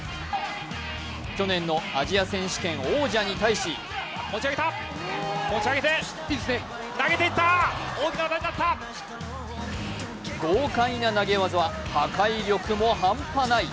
去年のアジア選手権王者に対し豪快な投げ技は破壊力も半端ない。